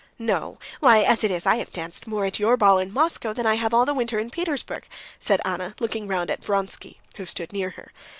"No; why, as it is, I have danced more at your ball in Moscow than I have all the winter in Petersburg," said Anna, looking round at Vronsky, who stood near her.